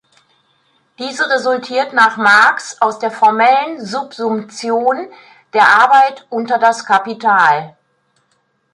Diese resultiert nach Marx aus der "formellen Subsumtion der Arbeit unter das Kapital".